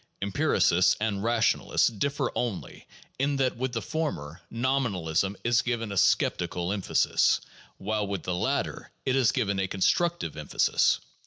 Empiricists and rationalists differ only in that with the former nominalism is given a sceptical emphasis, while with the latter it is given a constructive emphasis.